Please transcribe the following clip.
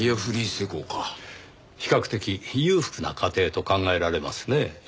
比較的裕福な家庭と考えられますね。